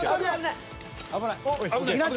危ない。